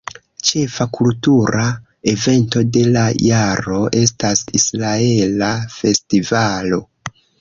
Ĉefa kultura evento de la jaro estas Israela festivalo.